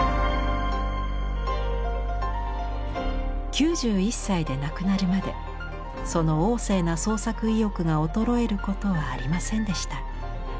９１歳で亡くなるまでその旺盛な創作意欲が衰えることはありませんでした。